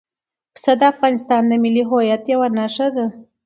پسه د افغانستان د ملي هویت یوه نښه ده.